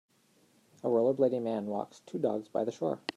A rollerblading man walks two dogs by the shore.